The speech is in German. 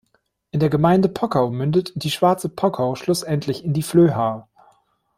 In der Gemeinde Pockau mündet die Schwarze Pockau schlussendlich in die Flöha.